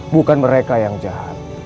bukan mereka yang jahat